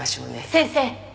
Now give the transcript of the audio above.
先生！